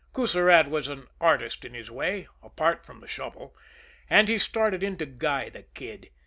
Coussirat was an artist in his way apart from the shovel and he started in to guy the Kid.